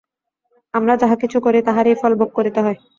আমরা যাহা কিছু করি, তাহারই ফলভোগ করিতে হয়।